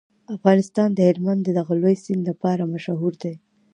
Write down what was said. افغانستان د هلمند د دغه لوی سیند لپاره مشهور دی.